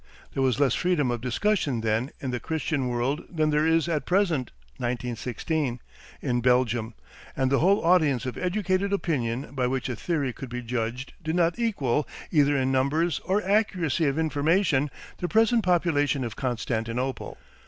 There was less freedom of discussion then in the Christian world than there is at present (1916) in Belgium, and the whole audience of educated opinion by which a theory could be judged did not equal, either in numbers or accuracy of information, the present population of Constantinople.